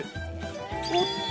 おっと！